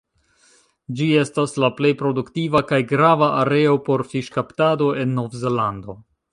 Ĝi estas la plej produktiva kaj grava areo por fiŝkaptado en Novzelando.